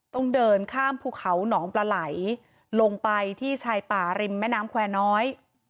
ต้องเดินข้ามภูเขาหนองปลาไหลลงไปที่ชายป่าริมแม่น้ำแควร์น้อย